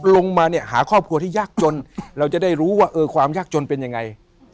ลงมาเนี่ยหาครอบครัวที่ยากจนเราจะได้รู้ว่าเออความยากจนเป็นยังไง